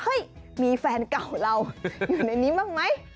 มีแฟนเก่าเราอยู่ในนี้บ้างไหม